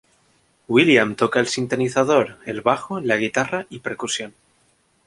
William toca el sintetizador, el bajo, la guitarra y percusión.